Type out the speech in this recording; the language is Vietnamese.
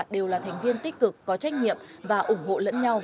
đều là thành viên tích cực có trách nhiệm và ủng hộ lẫn nhau